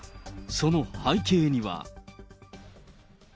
その背景には。